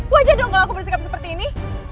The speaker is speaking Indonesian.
wajar dong kalau aku bersikap seperti ini